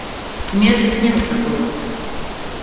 Медлить некогда было.